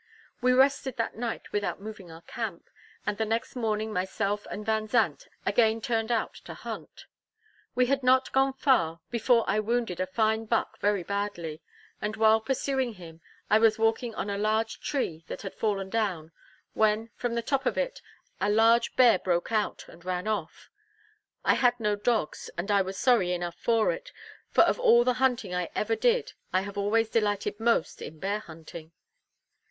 We rested that night without moving our camp; and the next morning myself and Vanzant again turned out to hunt. We had not gone far, before I wounded a fine buck very badly; and while pursuing him, I was walking on a large tree that had fallen down, when from the top of it, a large bear broke out and ran off. I had no dogs, and I was sorry enough for it; for of all the hunting I ever did, I have always delighted most in bear hunting.